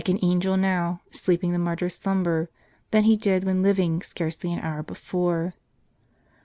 itrH'r'^fnffW^ifil 'M an angel now, sleeping the martyr's slumber, than he did when living scarcely an hour before.